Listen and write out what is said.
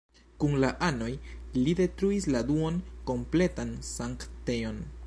Kun la anoj, li detruis la duon-kompletan sanktejon.